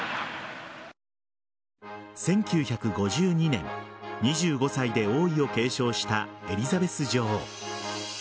１９５２年、２５歳で王位を継承したエリザベス女王。